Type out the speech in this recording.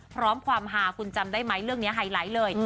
ความฮาคุณจำได้ไหมเรื่องนี้ไฮไลท์เลย